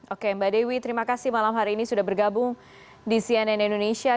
oke mbak dewi terima kasih malam hari ini sudah bergabung di cnn indonesia